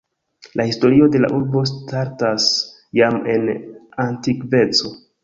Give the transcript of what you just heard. La historio de la urbo startas jam en antikveco.